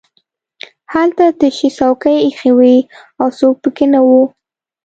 هلته تشې څوکۍ ایښې وې او څوک پکې نه وو